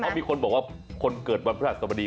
เพราะมีคนบอกว่าคนเกิดวันพระหัสบดี